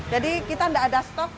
kita tidak ada stok